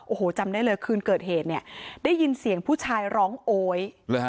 โอ้โหจำได้เลยคืนเกิดเหตุเนี่ยได้ยินเสียงผู้ชายร้องโอ๊ย